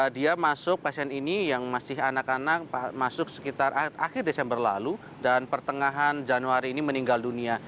dia masuk pasien ini yang masih anak anak masuk sekitar akhir desember lalu dan pertengahan januari ini meninggal dunia